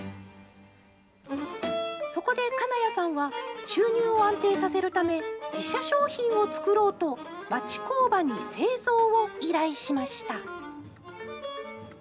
そこで金谷さんは、収入を安定させるため、自社商品を作ろうと、町工場に製造を依頼しました。